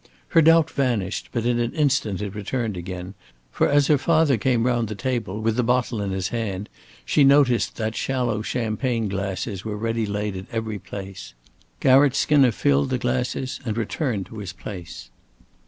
Her doubt vanished, but in an instant it returned again, for as her father came round the table with the bottle in his hand, she noticed that shallow champagne glasses were ready laid at every place. Garratt Skinner filled the glasses and returned to his place.